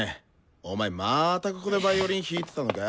お前またここでヴァイオリン弾いてたのか？